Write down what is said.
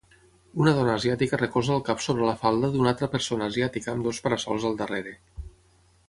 Una dona asiàtica recolza el cap sobre la falda d'una altra persona asiàtica amb dos para-sols al darrere.